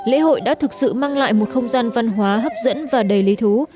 lễ hội đã thực sự mang lại một không gian văn hóa hấp dẫn và đầy lý thú